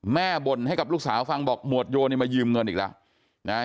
บ่นให้กับลูกสาวฟังบอกหมวดโยนี่มายืมเงินอีกแล้วนะฮะ